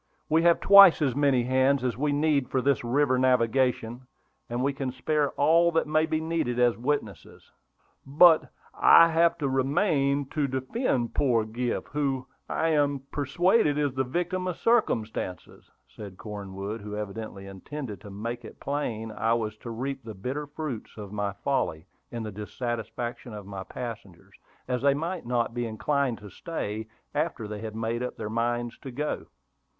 "We have twice as many hands as we need for this river navigation; and we can spare all that may be needed as witnesses." "But I have to remain to defend poor Griff, who, I am persuaded, is a victim of circumstances," said Cornwood, who evidently intended to make it plain I was to reap the bitter fruits of my folly in the dissatisfaction of my passengers, as they might not be inclined to stay after they had made up their minds to go.